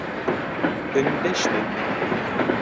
Өндәшмәйһең...